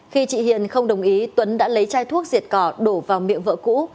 khi chị hiền không đồng ý tuấn đã lấy chai thuốc diệt cỏ đổ vào miệng vợ cũ